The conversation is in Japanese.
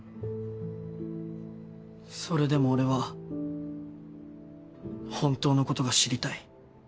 それでも俺は本当のことが知りたい。